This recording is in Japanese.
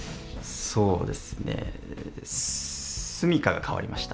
そうですね、住みかが変わりました、